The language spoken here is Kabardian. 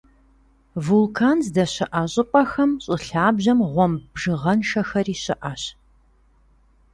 Вулкан здэщыӀэ щӀыпӀэхэм щӀы лъабжьэм гъуэмб бжыгъэншэхэри щыӀэщ.